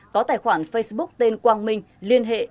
có tài khoản facebook tên quang minh liên hệ